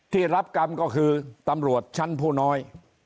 ที่รับกรรมก็คือตำรวจชั้นผู้น้อย